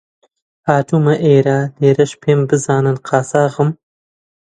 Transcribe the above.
هاتوومە ئێرە، لێرەش پێم بزانن قاچاغم